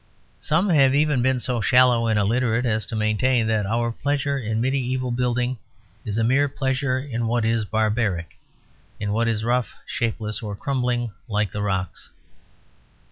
Some have even been so shallow and illiterate as to maintain that our pleasure in medieval building is a mere pleasure in what is barbaric, in what is rough, shapeless, or crumbling like the rocks.